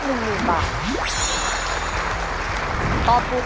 สวัสดีครับ